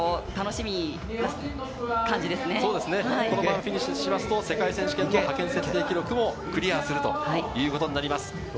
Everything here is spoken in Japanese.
このままフィニッシュしますと世界選手権の派遣設定記録をクリアするということになります。